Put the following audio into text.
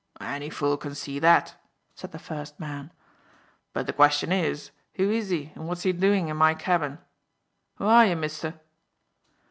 "Any fool can see that," said the first man; "but the question is, who is he and what's he a doin' in my cabin? Who are yer, mister?"